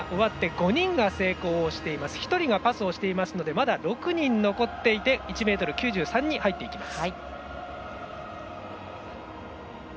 １人がパスをしていますのでまだ６人残っていて１ｍ９３に入ります。